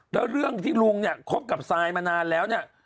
แล้วเรื่องที่ลุงเนี่ยคบกับซายมานานแล้วเนี่ย